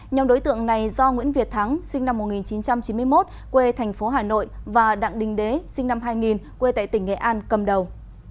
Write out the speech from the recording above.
nhóm đối tượng này do nguyễn việt thắng sinh năm một nghìn chín trăm chín mươi một quê thành phố hà nội và đặng đình đế sinh năm hai nghìn quê tại tỉnh nghệ an cầm đầu